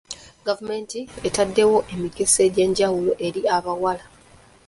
Gavumenti etaddewo emikisa egy'enjawulo eri abawala.